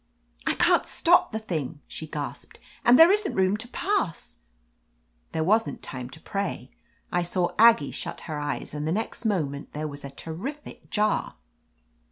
"I can't stop the thing," she gasped, "and there isn't room to pass !" There wasn't time to pray. I saw Aggie shut her eyes, and the next moment there was a terrific jar.